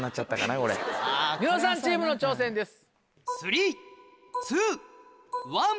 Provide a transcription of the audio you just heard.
ニノさんチームの挑戦です。